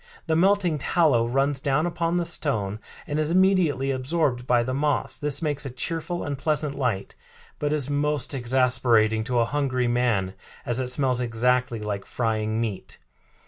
The melting tallow runs down upon the stone and is immediately absorbed by the moss. This makes a cheerful and pleasant light, but is most exasperating to a hungry man as it smells exactly like frying meat.